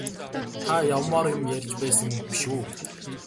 Та явмаар юм ярьж байсан биш үү?